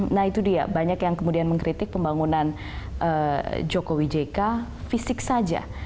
nah itu dia banyak yang kemudian mengkritik pembangunan jokowi jk fisik saja